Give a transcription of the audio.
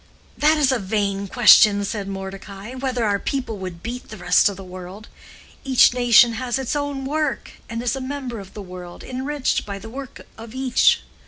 "That is a vain question," said Mordecai, "whether our people would beat the rest of the world. Each nation has its own work, and is a member of the world, enriched by the work of each.